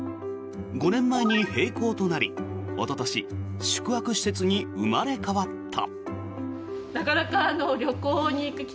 ５年前に閉校となりおととし宿泊施設に生まれ変わった。